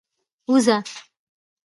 اوزه؟